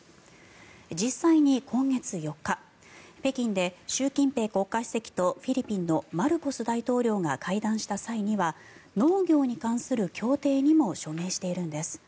実際に今月４日北京で習近平国家主席とフィリピンのマルコス大統領が会談した際には農業に関する協定にも署名しているんです。